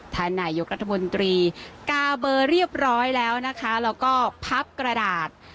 ท่านนายกรัฐมนตรีกาเบอร์เรียบร้อยแล้วนะคะแล้วก็พับกระดาษ